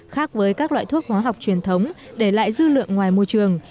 khác với các loại thuốc hóa học truyền thống để lại dư lượng ngoài môi trường